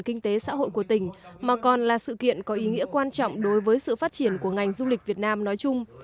kinh tế xã hội của tỉnh mà còn là sự kiện có ý nghĩa quan trọng đối với sự phát triển của ngành du lịch việt nam nói chung